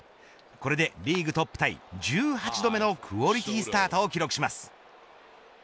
これでリーグトップタイ１８度目のクオリティースタートを記録します。